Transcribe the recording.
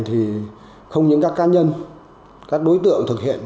thì không những các cá nhân các đối tượng thực hiện